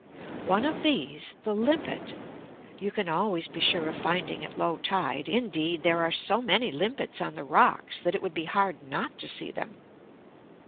One of these, the Limpet, you can always be sure of finding at low tide; indeed, there are so many Limpets on the rocks that it would be hard not to see them.